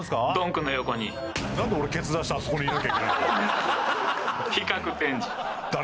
何で俺ケツ出してあそこにいなきゃいけないんだ